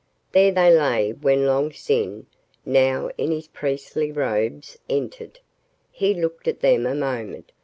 There they lay when Long Sin, now in his priestly robes, entered. He looked at them a moment.